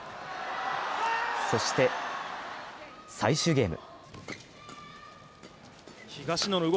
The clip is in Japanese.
そして最終ゲーム。